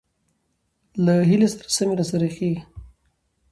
له هيلې سره سمې راخېژي،